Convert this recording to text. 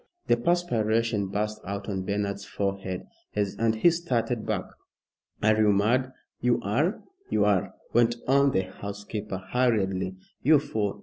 the perspiration burst out on Bernard's forehead, and he started back. "Are you mad?" "You are, you are," went on the housekeeper, hurriedly, "you fool!